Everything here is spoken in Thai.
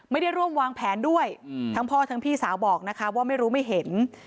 ไม่ได้ร่วมวางแผนด้วยทั้งพ่อทั้งพี่สาวบอกนะคะว่าไม่รู้ไม่เห็น